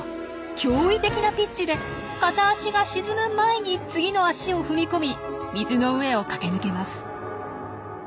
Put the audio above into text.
驚異的なピッチで片足が沈む前に次の足を踏み込み水の上を駆け抜けます。